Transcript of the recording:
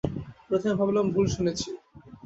প্রথমে ভাবলাম ভুল শুনেছি।